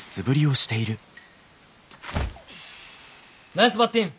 ナイスバッティング！